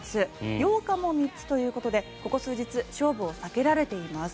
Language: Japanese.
８日も３つということでここ数日勝負を避けられています。